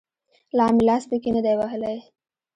لا مې لاس پکښې نه دى وهلى.